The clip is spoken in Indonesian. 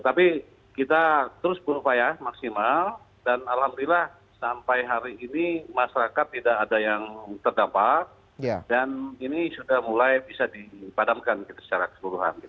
tapi kita terus berupaya maksimal dan alhamdulillah sampai hari ini masyarakat tidak ada yang terdampak dan ini sudah mulai bisa dipadamkan secara keseluruhan